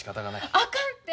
あかんて！